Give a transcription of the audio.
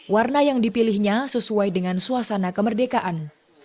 warna yang dipilihnya sesuai dengan suasana kemerdekaan